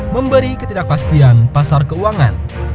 memberi ketidakpastian pasar keuangan